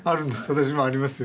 私もありますよ